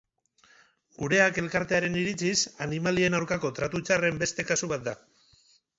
Gureak elkartearen iritziz, animalien aurkako tratu txarren beste kasu bat da.